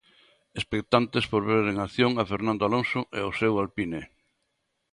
Expectantes por ver en acción a Fernando Alonso e o seu Alpine.